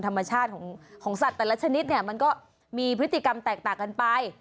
ธรรมชาติของสัตว์แต่ละชนิดเนี่ยมันก็มีพฤติกรรมแตกต่างกันไป